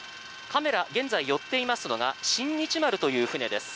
カメラ、現在寄っていますのが「新日丸」という船です。